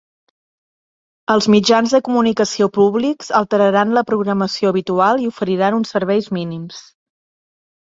Els mitjans de comunicació públics alteraran la programació habitual i oferiran uns serveis mínims.